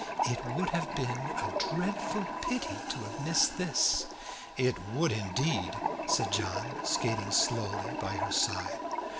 "It would have been a dreadful pity to have missed this." "It would indeed," said John, skating slowly by her side.